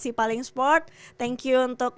si paling sport thank you untuk